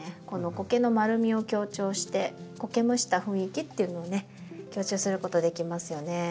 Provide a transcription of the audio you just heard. このコケの丸みを強調してコケむした雰囲気っていうのをね強調することできますよね。